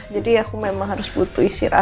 jadi aku memang harus pilih kondisi baru lalu